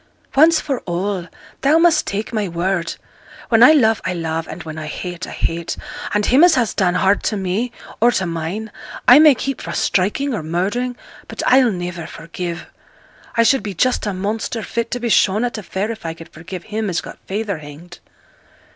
Once for all, thou must take my word. When I love I love, and when I hate I hate; and him as has done hard to me, or to mine, I may keep fra' striking or murdering, but I'll niver forgive. I should be just a monster, fit to be shown at a fair, if I could forgive him as got feyther hanged.'